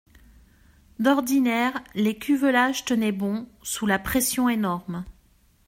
D'ordinaire, les cuvelages tenaient bon, sous la pression énorme.